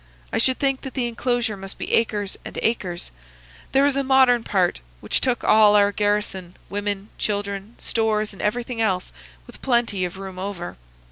I should think that the enclosure must be acres and acres. There is a modern part, which took all our garrison, women, children, stores, and everything else, with plenty of room over.